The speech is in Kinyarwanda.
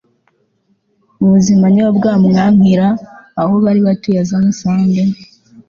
ubuzima niyo bwamwankira aho bari batuye aze amusange